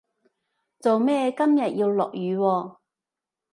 做咩今日要落雨喎